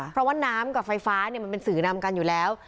เพราะว่าน้ำกับไฟฟ้าเนี้ยมันเป็นสีหนมกันอยู่แล้ว